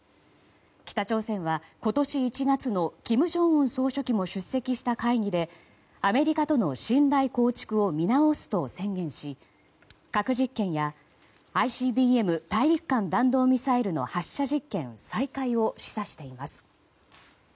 北朝鮮が今年１月の金正恩総書記も出席した会議でアメリカとの信頼構築を見直すと宣言し核実験やＩＣＢＭ・大陸間弾道ミサイルの発射実験再開を示唆しています。